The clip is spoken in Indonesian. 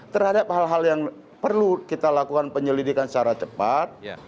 terhadap hal hal yang perlu kita lakukan penyelidikan secara cepat